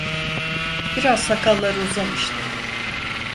Biraz sakalları uzamıştı.